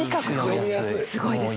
すごいですね。